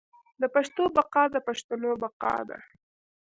د پښتو بقا د پښتنو بقا ده.